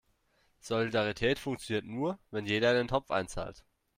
Solidarität funktioniert nur, wenn jeder in den Topf einzahlt.